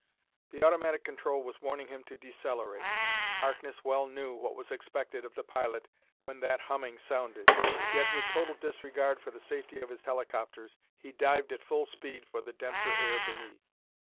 The automatic control was warning him to decelerate. Harkness well knew what was expected of the pilot when that humming sounded; yet, with total disregard for the safety of his helicopters, he dived at full speed for the denser air beneath.